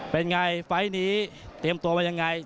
เป็นไงไฟล์นี้เตรียมตัวมายังไง